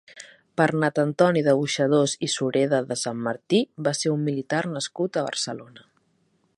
Bernat Antoni de Boixadors i Sureda de Sant Martí va ser un militar nascut a Barcelona.